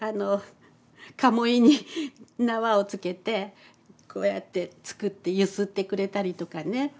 かもいに縄をつけてこうやって作って揺すってくれたりとかね。